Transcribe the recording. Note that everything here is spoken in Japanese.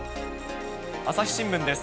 朝日新聞です。